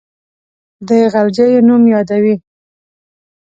د غلجیو نوم یادوي.